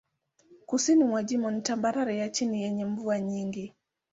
Kusini mwa jimbo ni tambarare ya chini yenye mvua nyingi.